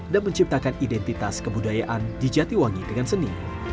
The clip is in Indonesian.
dan menciptakan identitas kebudayaan di jatiwangi dengan seni